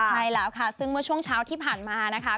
ใช่แล้วค่ะซึ่งเมื่อช่วงเช้าที่ผ่านมานะคะ